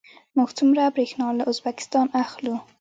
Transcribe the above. موږ څومره بریښنا له ازبکستان اخلو؟